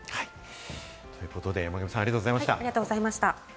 ということで、山神さん、ありがとうございました。